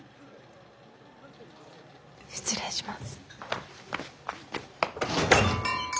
失礼します。